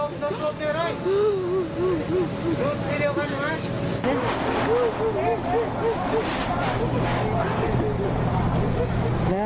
ลูกที่เดียวกันหรือ